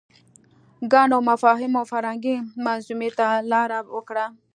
ګڼو مفاهیمو فرهنګي منظومې ته لاره وکړه